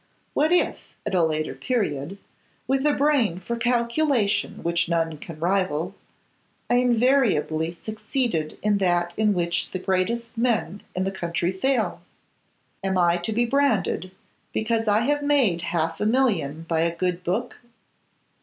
What if, at a later period, with a brain for calculation which none can rival, I invariably succeeded in that in which the greatest men in the country fail! Am I to be branded because I have made half a million by a good book?